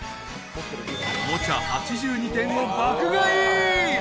［おもちゃ８２点を爆買い］